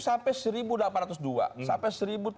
sampai seribu delapan ratus dua sampai